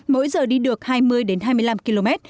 mỗi giờ đi được hai mươi hai mươi năm km